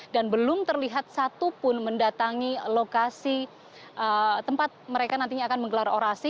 dan belum terlihat satupun mendatangi lokasi tempat mereka nantinya akan menggelar orasi